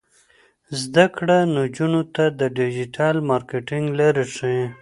زده کړه نجونو ته د ډیجیټل مارکیټینګ لارې ښيي.